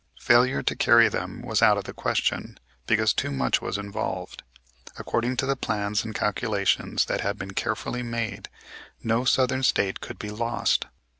Failure to carry them was out of the question, because too much was involved. According to the plans and calculations that had been carefully made, no Southern State could be lost.